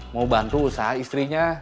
mau bantu usaha istrinya